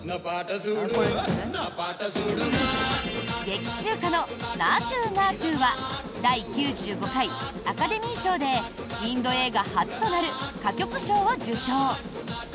劇中歌の「ナートゥ・ナートゥ」は第９５回アカデミー賞でインド映画初となる歌曲賞を受賞。